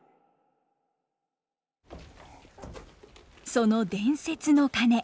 その伝説の鐘